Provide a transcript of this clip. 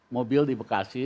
mobil di bekasi